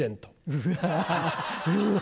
うわ！